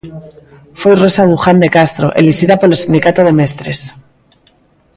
Foi Rosa Buján de Castro, elixida polo sindicato de mestres.